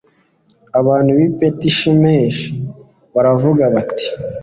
abantu b'i betishemeshi baravuga bati